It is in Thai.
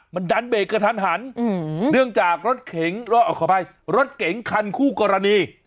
มันดันเบรกกระทันหันเนื่องจากรถเก๋งขออภัยรถเก๋งคันคู่กรณี